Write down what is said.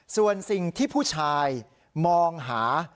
ส่วนสิ่งที่ผู้ชายมองหา